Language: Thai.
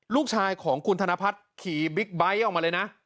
ลูกชายของคุณธนพัฒน์ขี่บิ๊กไบท์ออกมาเลยนะ